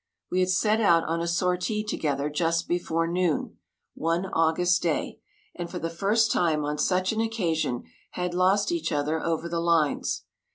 We had set out on a sortie together just before noon, one August day, and for the first time on such an occasion had lost each other over the lines.